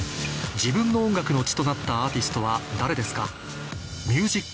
自分の音楽の血となったアーティストは誰ですか？